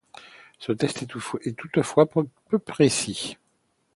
Ce test est toutefois peu précis.